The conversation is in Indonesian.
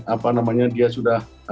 apa namanya dia sudah